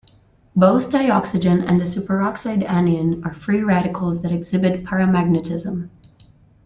Both dioxygen and the superoxide anion are free radicals that exhibit paramagnetism.